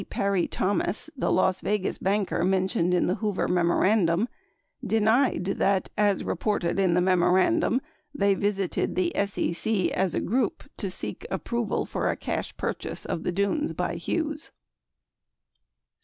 Parry Thomas, 61 the Las Yegas banker mentioned in the Hoover memorandum, denied that — as reported in the memorandum — they visited the SEC as a group to seek approval for a cash purchase of the Dunes by Hughes.